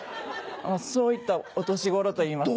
そういったお年頃といいますか。